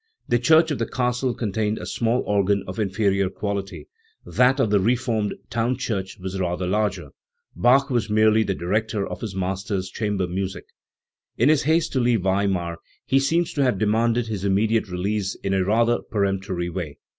The church of the castle contained a small organ of inferior quality; that of the reformed town church was rather larger. Bach was merely the director of his master's chamber music. In his haste to leave Weimar he seems to have demanded Ms immediate release in a rather peremptory way.